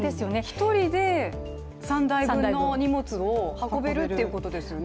１人で３台分の荷物を運べるということですよね